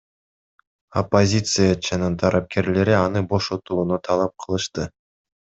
Оппозициячынын тарапкерлери аны бошотууну талап кылышты.